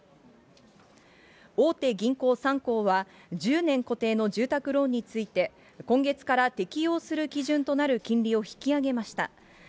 大手銀行３行は１０年固定の住宅ローンについて、今月から適用する基準となる金利を引き上げました。